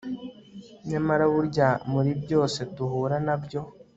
nyamara burya muri byose duhura nabyo